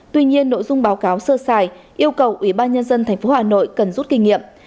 tuy nhiên nội dung báo cáo sơ xài yêu cầu ubnd tp hà nội cần rút kinh nghiệm